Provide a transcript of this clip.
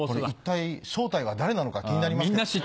一体正体は誰なのか気になりますけど。